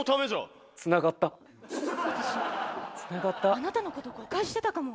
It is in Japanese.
私あなたのことを誤解してたかも。